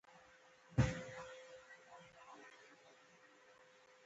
وه لالی د ګلو نګه وان دی.